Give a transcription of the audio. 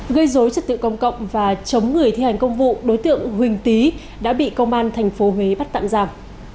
gây dối trật tự công cộng và chống người thi hành công vụ đối tượng huỳnh tý đã bị công an tp huế bắt tạm giảm